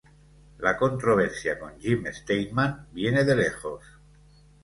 La controversia con Jim Steinman viene de lejos.